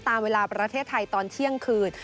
ตามเวลาประเทศไทยตอนเที่ยงคืน